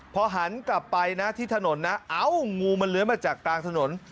พอหันกลับไปนะที่ถนนนะเอ้างูมันเลื้อยมาจากกลางถนน